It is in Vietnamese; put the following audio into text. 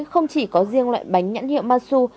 không chỉ có riêng loại bánh nhãn hiệu masu